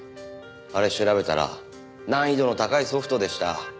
あれ調べたら難易度の高いソフトでした。